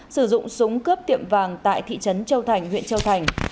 sử dụng súng cướp tiệm vàng tại thị trấn châu thành huyện châu thành